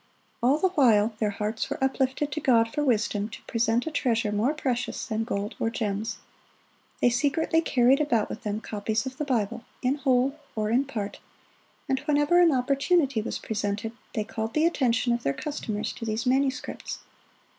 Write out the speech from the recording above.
(101) All the while their hearts were uplifted to God for wisdom to present a treasure more precious than gold or gems. They secretly carried about with them copies of the Bible, in whole or in part; and whenever an opportunity was presented, they called the attention of their customers to these manuscripts.